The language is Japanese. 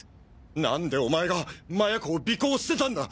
なんでお前が麻也子を尾行してたんだ！